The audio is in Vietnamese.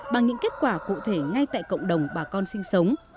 bằng những kết quả cụ thể ngay tại cộng đồng bà con sinh sống